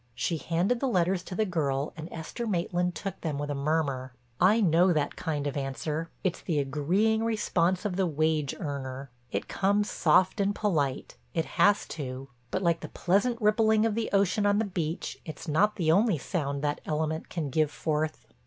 She handed the letters to the girl and Esther Maitland took them with a murmur. I know that kind of answer—it's the agreeing response of the wage earner. It comes soft and polite—it has to—but like the pleasant rippling of the ocean on the beach it's not the only sound that element can give forth.